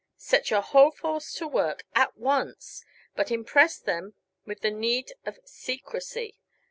Set your whole force to work at once! but impress them with the need of secrecy.